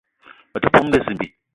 Me te poun bezimbi